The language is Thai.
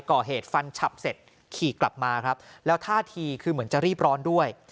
ก่อเหตุฟันฉับเสร็จขี่กลับมาครับแล้วท่าทีคือเหมือนจะรีบร้อนด้วย